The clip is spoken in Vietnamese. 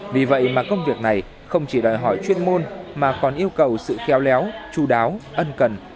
vì vậy mà công việc này không chỉ đòi hỏi chuyên môn mà còn yêu cầu sự khéo léo chú đáo ân cần